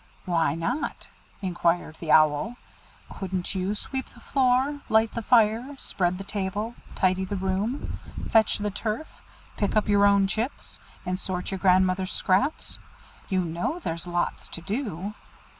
"Why not?" inquired the Owl. "Couldn't you sweep the floor, light the fire, spread the table, tidy the room, fetch the turf, pick up your own chips, and sort your grandmother's scraps? You know 'there's lots to do.'"